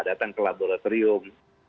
datang ke laboratorium